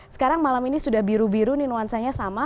sekarang malam ini sudah biru biru nih nuansanya sama